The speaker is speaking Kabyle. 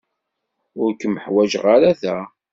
Ur kem-ḥwajeɣ ara da.